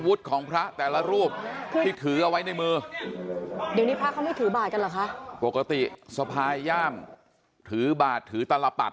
ไว้ในมือเดี๋ยวนี้พระเขาไม่ถือบาทกันเหรอคะปกติสภายย่างถือบาทถือตลปัด